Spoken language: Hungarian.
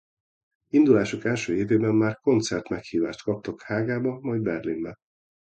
Indulásuk első évében már koncert meghívást kaptak Hágába majd Berlinbe.